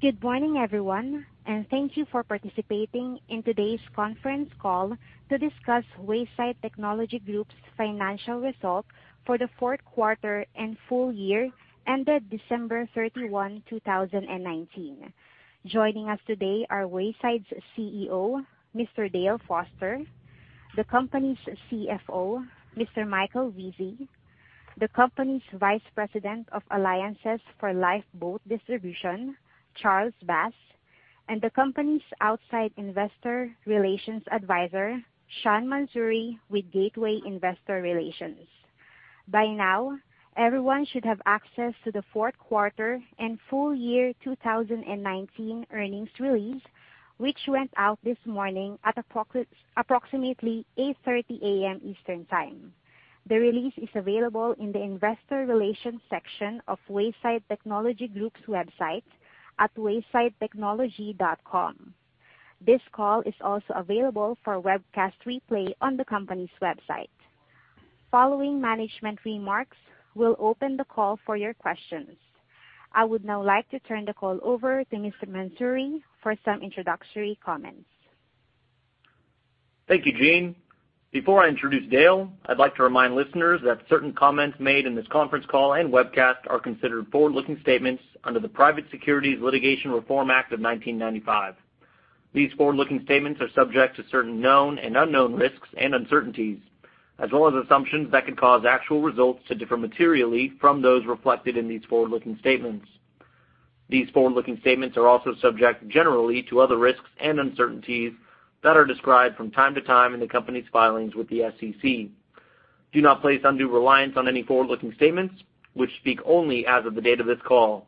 Good morning, everyone, and thank you for participating in today's conference call to discuss Wayside Technology Group's financial results for the fourth quarter and full year ended December 31, 2019. Joining us today are Wayside's CEO, Mr. Dale Foster, the company's CFO, Mr. Michael Vesey, the company's Vice President of Alliances for Lifeboat Distribution, Charles Bass, and the company's outside investor relations advisor, Sean Mansouri, with Gateway Investor Relations. By now, everyone should have access to the fourth quarter and full year 2019 earnings release, which went out this morning at approximately 8:30 A.M. Eastern Time. The release is available in the investor relations section of Wayside Technology Group's website at waysidetechnology.com. This call is also available for webcast replay on the company's website. Following management remarks, we'll open the call for your questions. I would now like to turn the call over to Mr. Mansouri for some introductory comments. Thank you, Jean. Before I introduce Dale, I'd like to remind listeners that certain comments made in this conference call and webcast are considered forward-looking statements under the Private Securities Litigation Reform Act of 1995. These forward-looking statements are subject to certain known and unknown risks and uncertainties, as well as assumptions that could cause actual results to differ materially from those reflected in these forward-looking statements. These forward-looking statements are also subject, generally, to other risks and uncertainties that are described from time to time in the company's filings with the SEC. Do not place undue reliance on any forward-looking statements, which speak only as of the date of this call.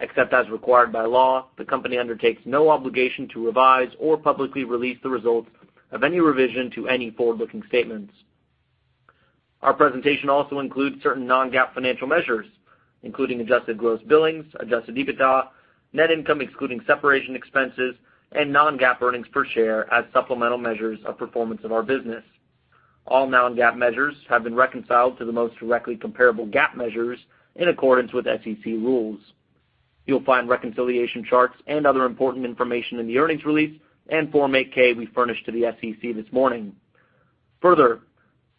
Except as required by law, the company undertakes no obligation to revise or publicly release the results of any revision to any forward-looking statements. Our presentation also includes certain non-GAAP financial measures, including adjusted gross billings, Adjusted EBITDA, net income, excluding separation expenses, and non-GAAP earnings per share as supplemental measures of performance of our business. All non-GAAP measures have been reconciled to the most directly comparable GAAP measures in accordance with SEC rules. You'll find reconciliation charts and other important information in the earnings release and Form 8-K we furnished to the SEC this morning.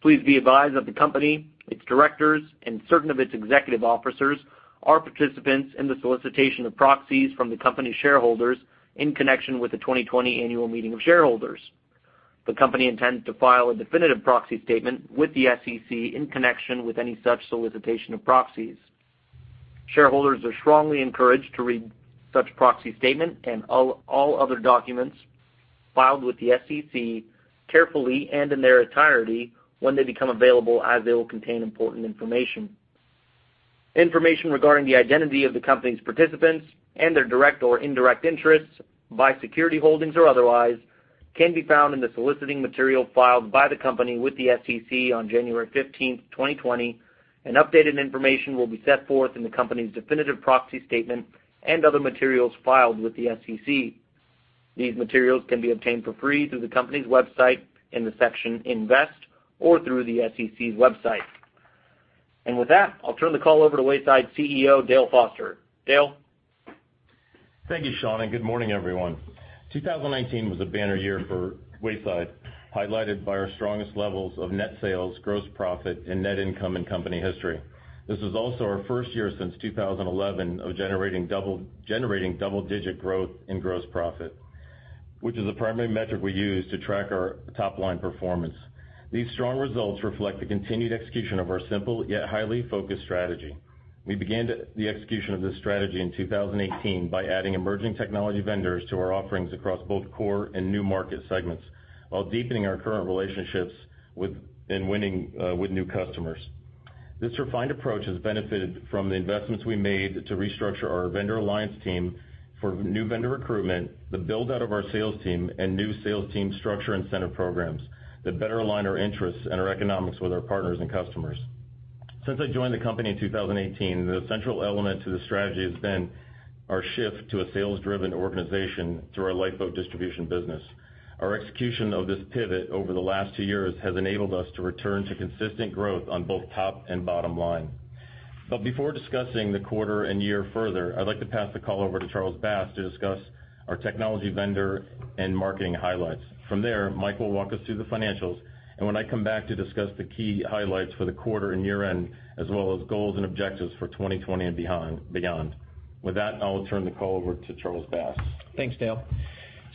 Please be advised that the company, its directors, and certain of its executive officers are participants in the solicitation of proxies from the company's shareholders in connection with the 2020 annual meeting of shareholders. The company intends to file a definitive proxy statement with the SEC in connection with any such solicitation of proxies. Shareholders are strongly encouraged to read such proxy statement and all other documents filed with the SEC carefully and in their entirety when they become available, as they will contain important information. Information regarding the identity of the company's participants and their direct or indirect interests by security holdings or otherwise, can be found in the soliciting material filed by the company with the SEC on January 15th, 2020, and updated information will be set forth in the company's definitive proxy statement and other materials filed with the SEC. These materials can be obtained for free through the company's website in the section Invest or through the SEC's website. With that, I'll turn the call over to Wayside CEO, Dale Foster. Dale? Thank you, Sean, and good morning, everyone. 2019 was a banner year for Wayside, highlighted by our strongest levels of net sales, gross profit, and net income in company history. This is also our first year since 2011 of generating double-digit growth in gross profit, which is a primary metric we use to track our top-line performance. These strong results reflect the continued execution of our simple yet highly focused strategy. We began the execution of this strategy in 2018 by adding emerging technology vendors to our offerings across both core and new market segments while deepening our current relationships and winning with new customers. This refined approach has benefited from the investments we made to restructure our vendor alliance team for new vendor recruitment, the build-out of our sales team, and new sales team structure incentive programs that better align our interests and our economics with our partners and customers. Since I joined the company in 2018, the central element to the strategy has been our shift to a sales-driven organization through our Lifeboat Distribution business. Our execution of this pivot over the last two years has enabled us to return to consistent growth on both top and bottom line. Before discussing the quarter and year further, I'd like to pass the call over to Charles Bass to discuss our technology vendor and marketing highlights. From there, Mike will walk us through the financials, and when I come back to discuss the key highlights for the quarter and year-end, as well as goals and objectives for 2020 and beyond. With that, I will turn the call over to Charles Bass. Thanks, Dale.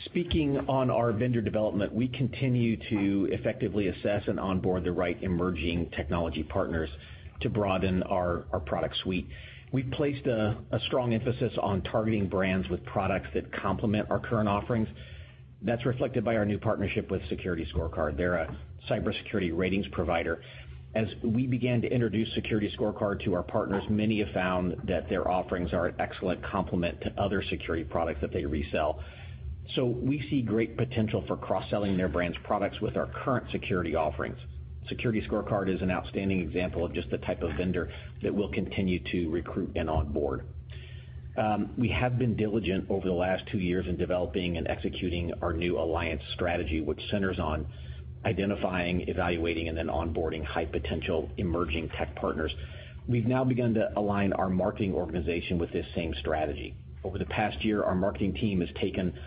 Speaking on our vendor development, we continue to effectively assess and onboard the right emerging technology partners to broaden our product suite. We've placed a strong emphasis on targeting brands with products that complement our current offerings. That's reflected by our new partnership with SecurityScorecard. They're a cybersecurity ratings provider. As we began to introduce SecurityScorecard to our partners, many have found that their offerings are an excellent complement to other security products that they resell. We see great potential for cross-selling their brand's products with our current security offerings. SecurityScorecard is an outstanding example of just the type of vendor that we'll continue to recruit and onboard. We have been diligent over the last two years in developing and executing our new alliance strategy, which centers on identifying, evaluating, and then onboarding high-potential emerging tech partners. We've now begun to align our marketing organization with this same strategy. Over the past year, our marketing team has taken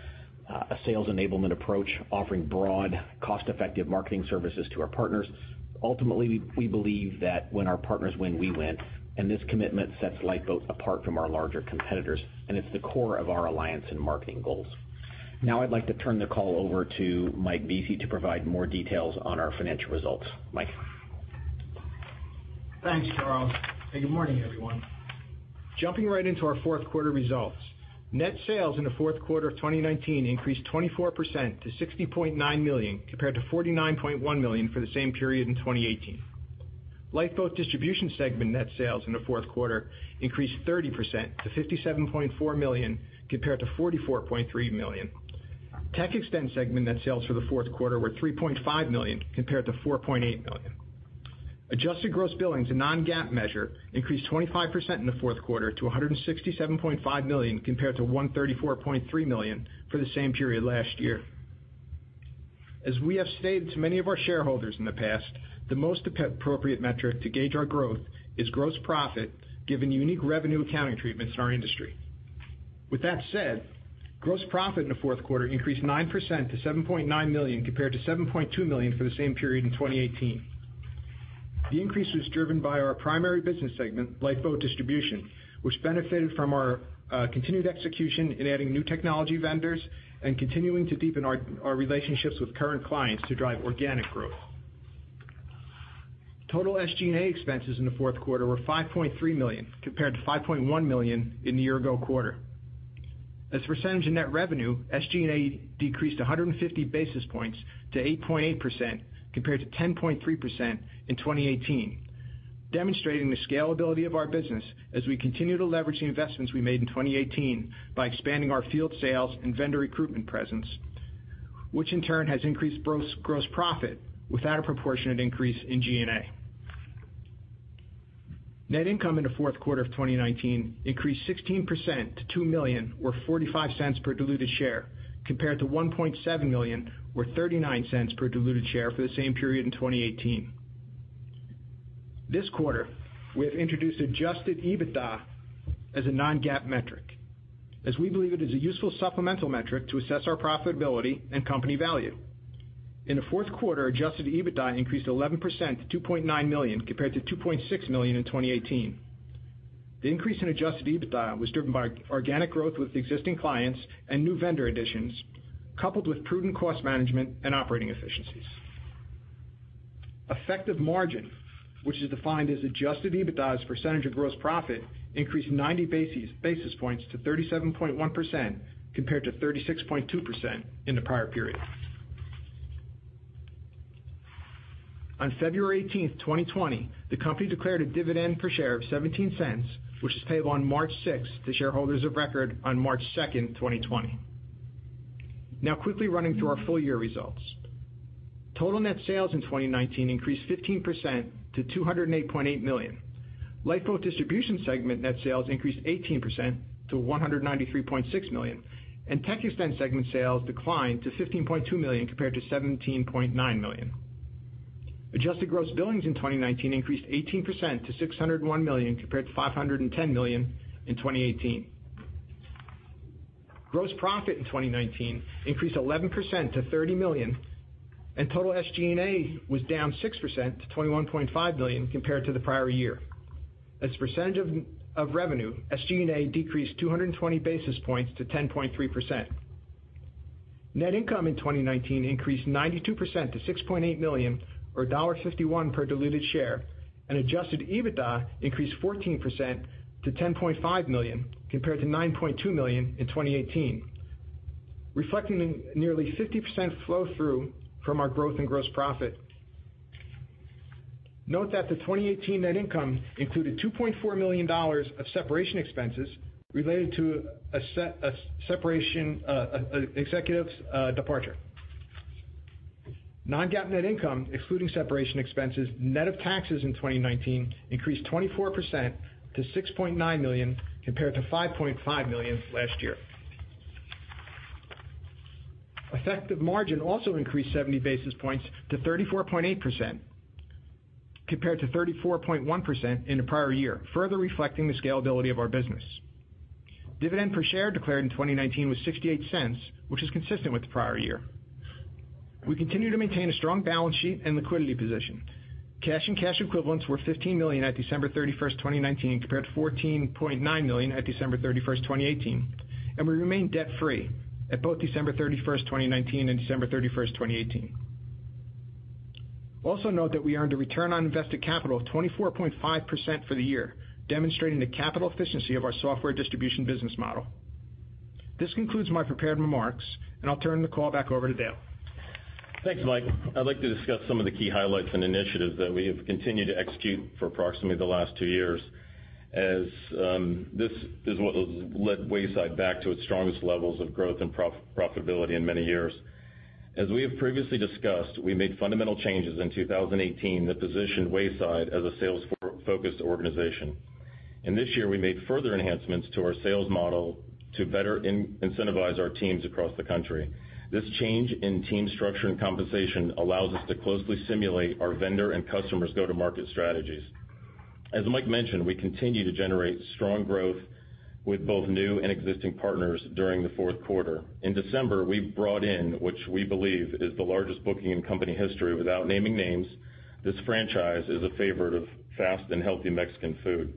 a sales enablement approach, offering broad, cost-effective marketing services to our partners. Ultimately, we believe that when our partners win, we win, and this commitment sets Lifeboat apart from our larger competitors, and it's the core of our alliance and marketing goals. I'd like to turn the call over to Mike Vasey to provide more details on our financial results. Mike? Thanks, Charles, and good morning, everyone. Jumping right into our fourth quarter results. Net sales in the fourth quarter of 2019 increased 24% to $60.9 million, compared to $49.1 million for the same period in 2018. Lifeboat Distribution segment net sales in the fourth quarter increased 30% to $57.4 million, compared to $44.3 million. TechXtend segment net sales for the fourth quarter were $3.5 million, compared to $4.8 million. Adjusted gross billings, a non-GAAP measure, increased 25% in the fourth quarter to $167.5 million, compared to $134.3 million for the same period last year. As we have stated to many of our shareholders in the past, the most appropriate metric to gauge our growth is gross profit given the unique revenue accounting treatments in our industry. With that said, gross profit in the fourth quarter increased 9% to $7.9 million, compared to $7.2 million for the same period in 2018. The increase was driven by our primary business segment, Lifeboat Distribution, which benefited from our continued execution in adding new technology vendors and continuing to deepen our relationships with current clients to drive organic growth. Total SG&A expenses in the fourth quarter were $5.3 million, compared to $5.1 million in the year-ago quarter. As a percentage of net revenue, SG&A decreased 150 basis points to 8.8%, compared to 10.3% in 2018, demonstrating the scalability of our business as we continue to leverage the investments we made in 2018 by expanding our field sales and vendor recruitment presence, which in turn has increased gross profit without a proportionate increase in G&A. Net income in the fourth quarter of 2019 increased 16% to $2 million, or $0.45 per diluted share, compared to $1.7 million, or $0.39 per diluted share for the same period in 2018. This quarter, we have introduced Adjusted EBITDA as a non-GAAP metric, as we believe it is a useful supplemental metric to assess our profitability and company value. In the fourth quarter, Adjusted EBITDA increased 11% to $2.9 million, compared to $2.6 million in 2018. The increase in Adjusted EBITDA was driven by organic growth with existing clients and new vendor additions, coupled with prudent cost management and operating efficiencies. Effective margin, which is defined as Adjusted EBITDA's percentage of gross profit, increased 90 basis points to 37.1%, compared to 36.2% in the prior period. On February 18th, 2020, the company declared a dividend per share of $0.17, which was paid on March 6th to shareholders of record on March 2nd, 2020. Quickly running through our full-year results. Total net sales in 2019 increased 15% to $208.8 million. Lifeboat Distribution segment net sales increased 18% to $193.6 million, TechXtend segment sales declined to $15.2 million compared to $17.9 million. Adjusted gross billings in 2019 increased 18% to $601 million, compared to $510 million in 2018. Gross profit in 2019 increased 11% to $30 million, total SG&A was down 6% to $21.5 million compared to the prior year. As a percentage of revenue, SG&A decreased 220 basis points to 10.3%. Net income in 2019 increased 92% to $6.8 million, or $1.51 per diluted share, Adjusted EBITDA increased 14% to $10.5 million, compared to $9.2 million in 2018, reflecting nearly 50% flow-through from our growth in gross profit. Note that the 2018 net income included $2.4 million of separation expenses related to an executive's departure. Non-GAAP net income, excluding separation expenses, net of taxes in 2019 increased 24% to $6.9 million, compared to $5.5 million last year. Effective margin also increased 70 basis points to 34.8%, compared to 34.1% in the prior year, further reflecting the scalability of our business. Dividend per share declared in 2019 was $0.68, which is consistent with the prior year. We continue to maintain a strong balance sheet and liquidity position. Cash and cash equivalents were $15 million at December 31st, 2019, compared to $14.9 million at December 31st, 2018, and we remain debt-free at both December 31st, 2019, and December 31st, 2018. Also note that we earned a Return on Invested Capital of 24.5% for the year, demonstrating the capital efficiency of our software distribution business model. This concludes my prepared remarks, and I'll turn the call back over to Dale. Thanks, Mike. I'd like to discuss some of the key highlights and initiatives that we have continued to execute for approximately the last two years, as this is what has led Wayside back to its strongest levels of growth and profitability in many years. As we have previously discussed, we made fundamental changes in 2018 that positioned Wayside as a sales-focused organization. This year, we made further enhancements to our sales model to better incentivize our teams across the country. This change in team structure and compensation allows us to closely simulate our vendor and customers' go-to-market strategies. As Mike mentioned, we continue to generate strong growth with both new and existing partners during the fourth quarter. In December, we brought in, which we believe is the largest booking in company history, without naming names, this franchise is a favorite of fast and healthy Mexican food.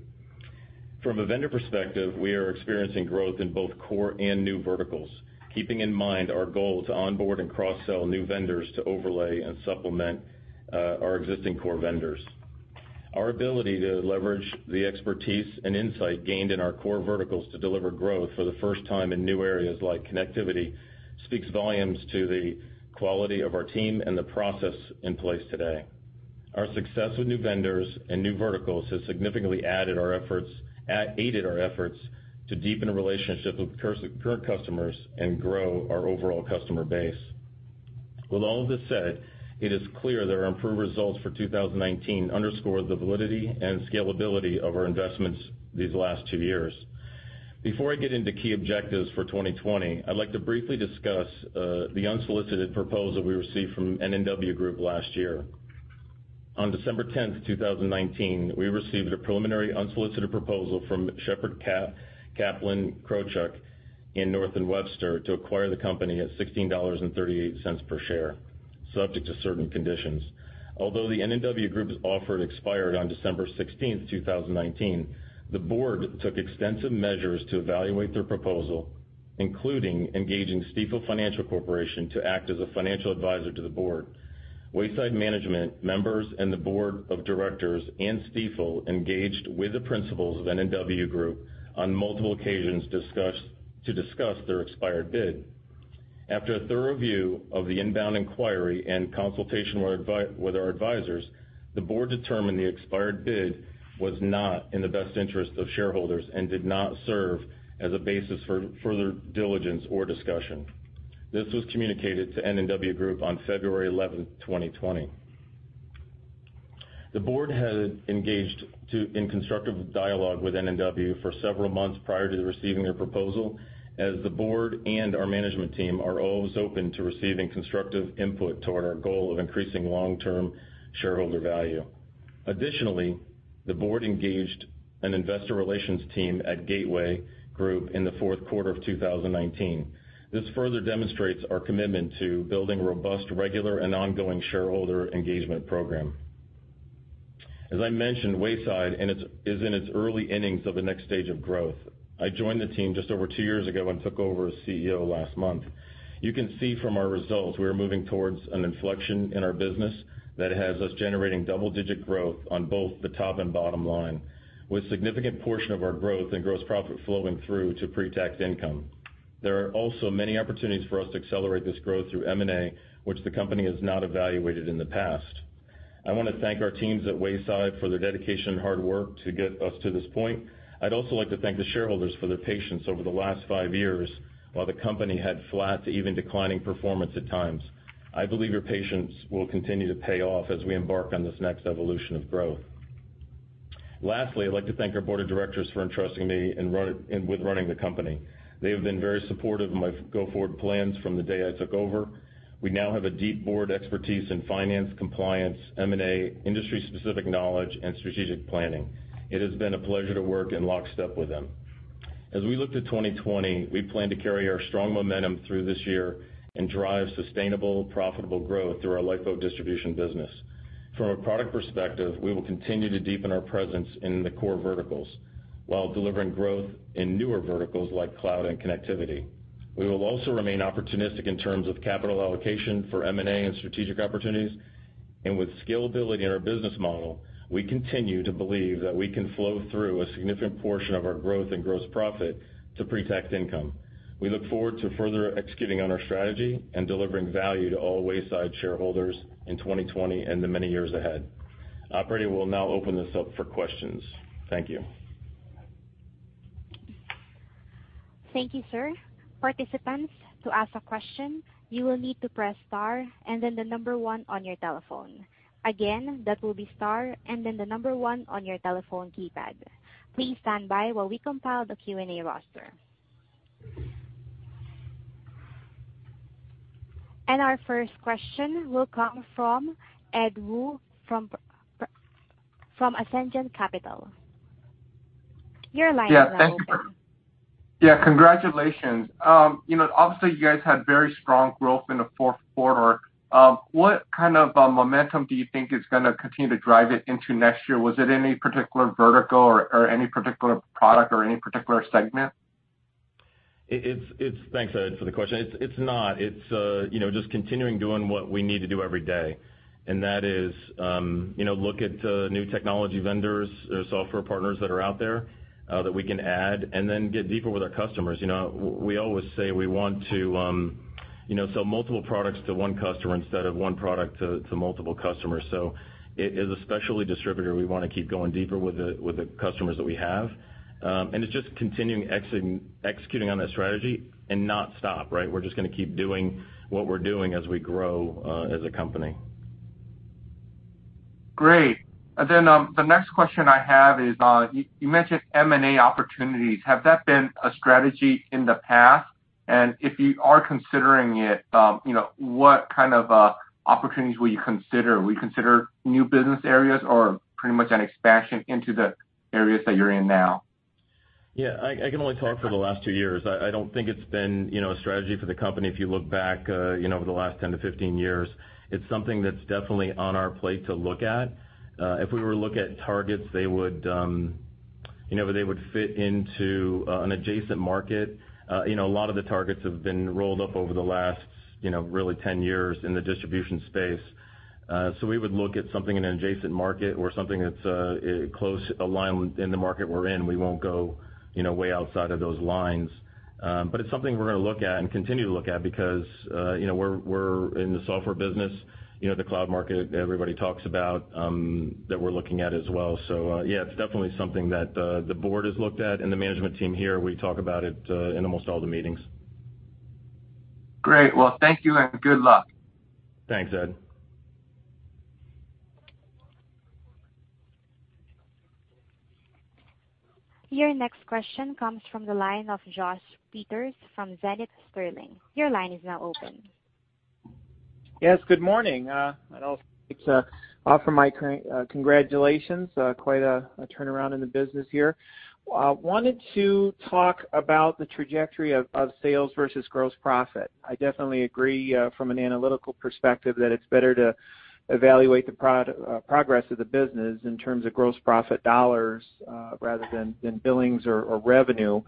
From a vendor perspective, we are experiencing growth in both core and new verticals. Keeping in mind our goal to onboard and cross-sell new vendors to overlay and supplement our existing core vendors. Our ability to leverage the expertise and insight gained in our core verticals to deliver growth for the first time in new areas like connectivity speaks volumes to the quality of our team and the process in place today. Our success with new vendors and new verticals has significantly aided our efforts to deepen relationships with current customers and grow our overall customer base. With all of this said, it is clear that our improved results for 2019 underscore the validity and scalability of our investments these last two years. Before I get into key objectives for 2020, I'd like to briefly discuss the unsolicited proposal we received from N&W Group last year. On December 10th, 2019, we received a preliminary unsolicited proposal from Shepherd Kaplan Krochuk and North & Webster to acquire the company at $16.38 per share, subject to certain conditions. Although the N&W Group's offer had expired on December 16th, 2019, the Board took extensive measures to evaluate their proposal, including engaging Stifel Financial Corp. to act as a financial advisor to the Board. Wayside management members and the Board of Directors and Stifel engaged with the principals of N&W Group on multiple occasions to discuss their expired bid. After a thorough review of the inbound inquiry and consultation with our advisors, the Board determined the expired bid was not in the best interest of shareholders and did not serve as a basis for further diligence or discussion. This was communicated to N&W Group on February 11th, 2020. The Board had engaged in constructive dialogue with N&W for several months prior to receiving their proposal, as the Board and our management team are always open to receiving constructive input toward our goal of increasing long-term shareholder value. Additionally, the board engaged an investor relations team at Gateway Group in the fourth quarter of 2019. This further demonstrates our commitment to building a robust, regular, and ongoing shareholder engagement program. As I mentioned, Wayside is in its early innings of the next stage of growth. I joined the team just over two years ago and took over as CEO last month. You can see from our results, we are moving towards an inflection in our business that has us generating double-digit growth on both the top and bottom line, with significant portion of our growth and gross profit flowing through to pre-tax income. There are also many opportunities for us to accelerate this growth through M&A, which the company has not evaluated in the past. I want to thank our teams at Wayside for their dedication and hard work to get us to this point. I'd also like to thank the shareholders for their patience over the last five years while the company had flat to even declining performance at times. I believe your patience will continue to pay off as we embark on this next evolution of growth. Lastly, I'd like to thank our board of directors for entrusting me with running the company. They have been very supportive of my go-forward plans from the day I took over. We now have a deep board expertise in finance, compliance, M&A, industry-specific knowledge, and strategic planning. It has been a pleasure to work in lockstep with them. As we look to 2020, we plan to carry our strong momentum through this year and drive sustainable, profitable growth through our Lifeboat Distribution business. From a product perspective, we will continue to deepen our presence in the core verticals while delivering growth in newer verticals like cloud and connectivity. We will also remain opportunistic in terms of capital allocation for M&A and strategic opportunities. With scalability in our business model, we continue to believe that we can flow through a significant portion of our growth and gross profit to pre-tax income. We look forward to further executing on our strategy and delivering value to all Wayside shareholders in 2020 and the many years ahead. Operator, we'll now open this up for questions. Thank you. Thank you, sir. Participants, to ask a question, you will need to press star and then one on your telephone. Again, that will be star and then one on your telephone keypad. Please stand by while we compile the Q&A roster. Our first question will come from Edward Woo from Ascendiant Capital. Your line is now open. Yeah. Congratulations. Obviously, you guys had very strong growth in the fourth quarter. What kind of momentum do you think is going to continue to drive it into next year? Was it any particular vertical or any particular product or any particular segment? Thanks, Ed, for the question. It's not. It's just continuing doing what we need to do every day. That is look at new technology vendors or software partners that are out there that we can add and then get deeper with our customers. We always say we want to sell multiple products to one customer instead of one product to multiple customers. As a specialty distributor, we want to keep going deeper with the customers that we have. It's just continuing executing on that strategy and not stop, right? We're just going to keep doing what we're doing as we grow as a company. Great. The next question I have is, you mentioned M&A opportunities. Has that been a strategy in the past? If you are considering it, what kind of opportunities will you consider? Will you consider new business areas or pretty much an expansion into the areas that you're in now? I can only talk for the last two years. I don't think it's been a strategy for the company, if you look back over the last 10-15 years. It's something that's definitely on our plate to look at. If we were to look at targets, they would fit into an adjacent market. A lot of the targets have been rolled up over the last really 10 years in the distribution space. We would look at something in an adjacent market or something that's close aligned in the market we're in. We won't go way outside of those lines. It's something we're going to look at and continue to look at because we're in the software business, the cloud market everybody talks about, that we're looking at as well. Yeah, it's definitely something that the board has looked at, and the management team here, we talk about it in almost all the meetings. Great. Well, thank you, and good luck. Thanks, Ed. Your next question comes from the line of Josh Peters from Zenith Sterling. Your line is now open. Yes, good morning. I'd also like to offer my congratulations. Quite a turnaround in the business here. Wanted to talk about the trajectory of sales versus gross profit. I definitely agree from an analytical perspective that it's better to evaluate the progress of the business in terms of gross profit dollars rather than billings or revenue.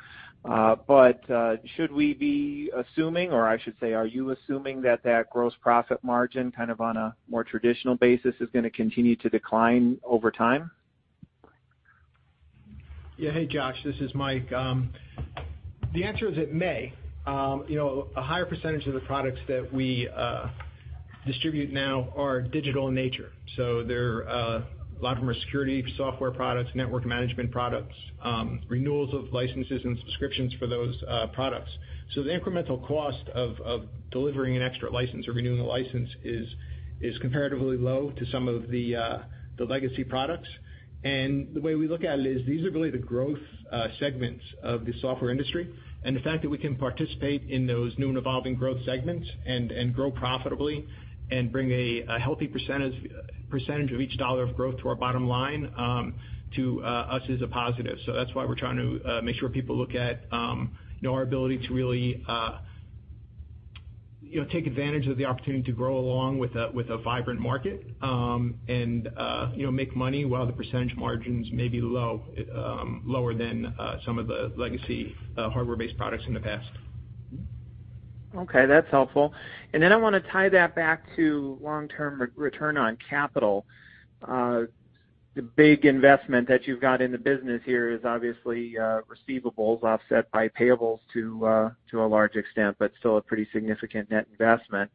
Should we be assuming, or I should say, are you assuming that that gross profit margin kind of on a more traditional basis is going to continue to decline over time? Hey, Josh, this is Mike. The answer is it may. A higher percentage of the products that we distribute now are digital in nature. A lot of them are security software products, network management products, renewals of licenses and subscriptions for those products. The incremental cost of delivering an extra license or renewing the license is comparatively low to some of the legacy products. The way we look at it is these are really the growth segments of the software industry. The fact that we can participate in those new and evolving growth segments and grow profitably and bring a healthy percentage of each dollar of growth to our bottom line, to us, is a positive. That's why we're trying to make sure people look at our ability to really take advantage of the opportunity to grow along with a vibrant market, and make money while the percentage margins may be low, lower than some of the legacy hardware-based products in the past. Okay, that's helpful. I want to tie that back to long-term Return on Capital. The big investment that you've got in the business here is obviously receivables offset by payables to a large extent, but still a pretty significant net investment.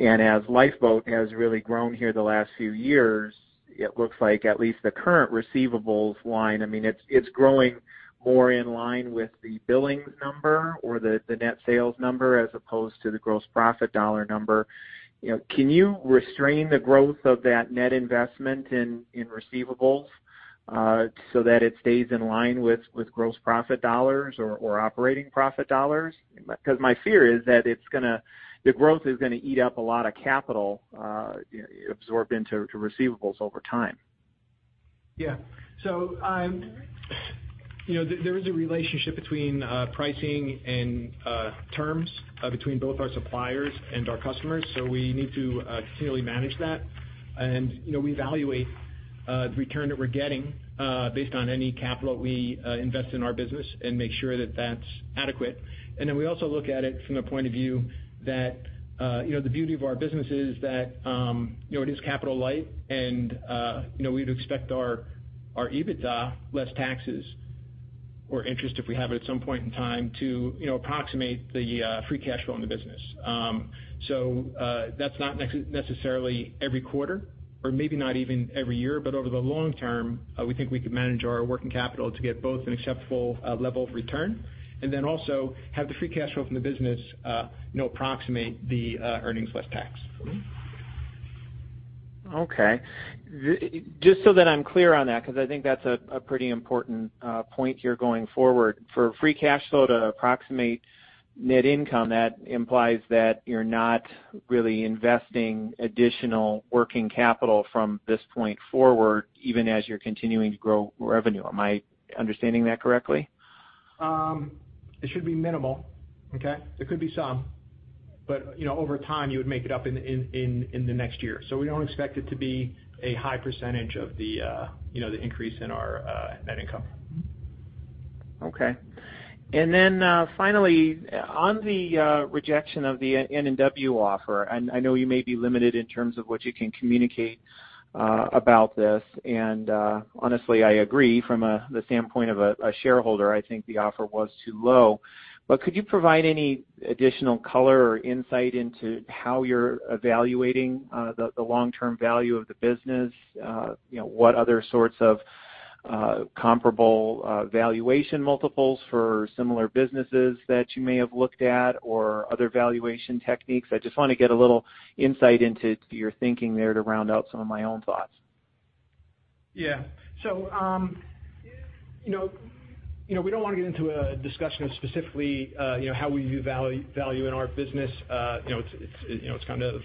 As Lifeboat has really grown here the last few years, it looks like at least the current receivables line, it's growing more in line with the billings number or the net sales number as opposed to the gross profit dollar number. Can you restrain the growth of that net investment in receivables so that it stays in line with gross profit dollars or operating profit dollars? My fear is that the growth is going to eat up a lot of capital absorbed into receivables over time. Yeah. There is a relationship between pricing and terms between both our suppliers and our customers, so we need to continually manage that. We evaluate the return that we're getting based on any capital we invest in our business and make sure that that's adequate. Then we also look at it from the point of view that the beauty of our business is that, it is capital light and we'd expect our EBITDA less taxes or interest, if we have it at some point in time to approximate the free cash flow in the business. That's not necessarily every quarter or maybe not even every year, but over the long term, we think we could manage our working capital to get both an acceptable level of return and then also have the free cash flow from the business approximate the earnings less tax. Okay. Just so that I'm clear on that, because I think that's a pretty important point here going forward. For free cash flow to approximate net income, that implies that you're not really investing additional working capital from this point forward, even as you're continuing to grow revenue. Am I understanding that correctly? It should be minimal. Okay? There could be some, but over time, you would make it up in the next year. We don't expect it to be a high % of the increase in our net income. Okay. Finally, on the rejection of the N&W offer, I know you may be limited in terms of what you can communicate about this, and honestly, I agree from the standpoint of a shareholder, I think the offer was too low. Could you provide any additional color or insight into how you're evaluating the long-term value of the business? What other sorts of comparable valuation multiples for similar businesses that you may have looked at or other valuation techniques? I just want to get a little insight into your thinking there to round out some of my own thoughts. Yeah. We don't want to get into a discussion of specifically how we view value in our business. It's kind of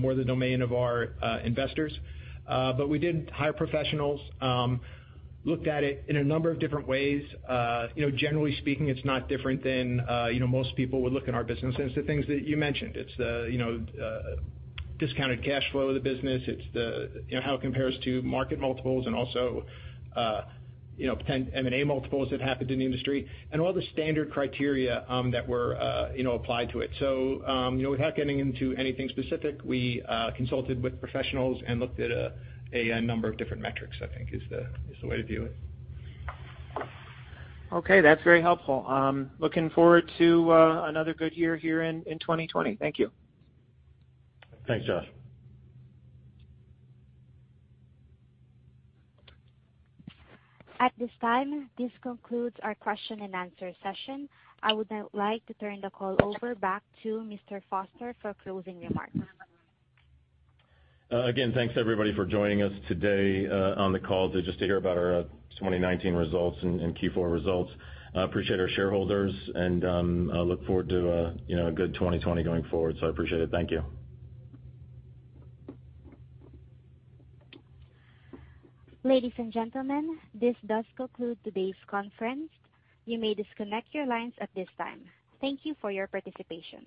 more the domain of our investors. We did hire professionals, looked at it in a number of different ways. Generally speaking, it's not different than most people would look in our business. It's the things that you mentioned. It's the discounted cash flow of the business. It's the how it compares to market multiples and also M&A multiples that happened in the industry and all the standard criteria that were applied to it. Without getting into anything specific, we consulted with professionals and looked at a number of different metrics, I think is the way to view it. Okay, that's very helpful. Looking forward to another good year here in 2020. Thank you. Thanks, Josh. At this time, this concludes our question and answer session. I would now like to turn the call over back to Mr. Foster for closing remarks. Thanks everybody for joining us today on the call just to hear about our 2019 results and Q4 results. We appreciate our shareholders and look forward to a good 2020 going forward. I appreciate it. Thank you. Ladies and gentlemen, this does conclude today's conference. You may disconnect your lines at this time. Thank you for your participation.